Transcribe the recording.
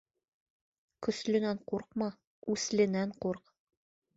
Көслөнән ҡурҡма, үсленән ҡурҡ.